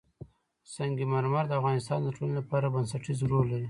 سنگ مرمر د افغانستان د ټولنې لپاره بنسټيز رول لري.